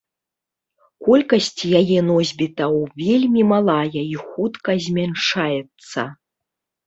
Колькасць яе носьбітаў вельмі малая і хутка змяншаецца.